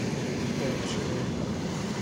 پیل شوي